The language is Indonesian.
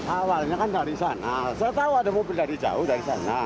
awalnya kan dari sana saya tahu ada mobil dari jauh dari sana